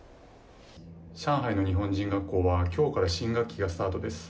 上海の日本人学校は今日から新学期がスタートです。